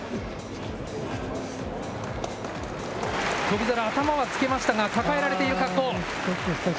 翔猿、頭はつけましたが、抱えられている格好。